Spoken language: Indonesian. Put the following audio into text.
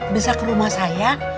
bisa ke rumah saya